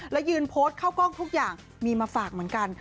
และยืนโพสต์เข้ากล้องทุกอย่างมีมาฝากเหมือนกัน